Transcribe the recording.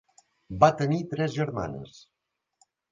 Va tenir tres germanes: